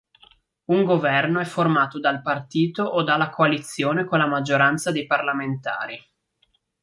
Un governo è formato dal partito o dalla coalizione con la maggioranza dei parlamentari.